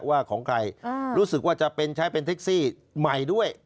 ว่าของใครรู้สึกว่าจะเป็นใช้เป็นเท็กซี่ใหม่ด้วย